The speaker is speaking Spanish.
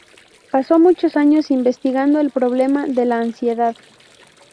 Pasó muchos años investigando el problema de la ansiedad.